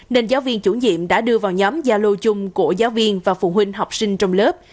nên giáo viên chủ nhiệm đã đưa vào nhóm gia lô chung của giáo viên và phụ huynh học sinh trong lớp